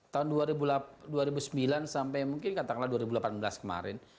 tahun dua ribu sembilan sampai mungkin katakanlah dua ribu delapan belas kemarin